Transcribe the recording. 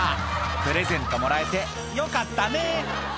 プレゼントもらえてよかったね！